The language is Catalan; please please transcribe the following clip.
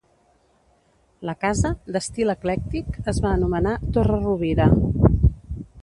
La casa, d'estil eclèctic, es va anomenar Torre Rovira.